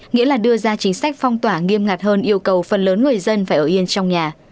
nghĩa là đưa ra chính sách phong tỏa nghiêm ngặt hơn yêu cầu phần lớn người dân phải ở yên trong nhà